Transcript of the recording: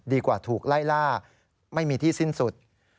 ถูกไล่ล่าไม่มีที่สิ้นสุด